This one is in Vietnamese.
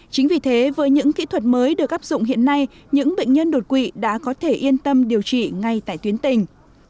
chính vì thế với những kỹ thuật mới được áp dụng hiện nay những bệnh nhân đột quỵ đã có thể yên tâm điều trị ngay tại tuyến tình